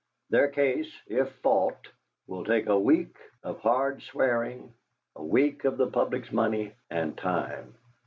Their case, if fought, will take a week of hard swearing, a week of the public's money and time.